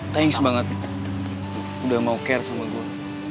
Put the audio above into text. thanks banget udah mau care sama gue